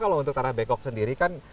kalau untuk tanah bengkok sendiri kan